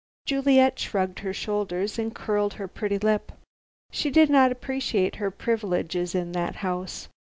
Juliet shrugged her shoulders and curled her pretty lip. She did not appreciate her privileges in that house.